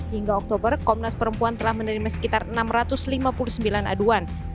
hingga oktober komnas perempuan telah menerima sekitar enam ratus lima puluh sembilan aduan